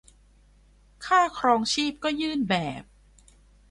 ค่าครองชีพก็ยื่นแบบ